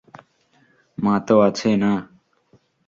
মা তো আছে না?